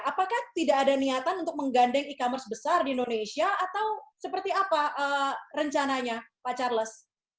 apakah tidak ada niatan untuk menggandeng e commerce besar di indonesia atau seperti apa rencananya pak charles